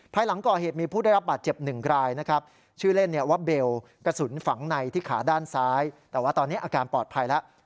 หลังก่อเหตุมีผู้ได้รับบาดเจ็บหนึ่งรายนะครับชื่อเล่นว่าเบลกระสุนฝังในที่ขาด้านซ้ายแต่ว่าตอนนี้อาการปลอดภัยแล้ว